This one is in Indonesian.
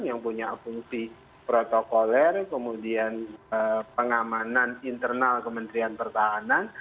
yang punya fungsi protokoler kemudian pengamanan internal kementerian pertahanan